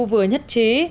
vừa nhất trí